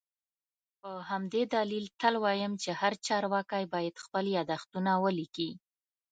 په همدې دلیل تل وایم چي هر چارواکی باید خپل یادښتونه ولیکي